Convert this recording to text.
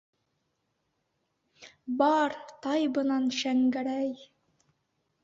Бар, тай бынан, Шәңгәрәй!